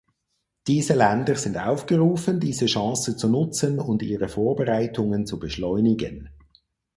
Diese Länder sind aufgerufen, diese Chance zu nutzen und ihre Vorbereitungen zu beschleunigen.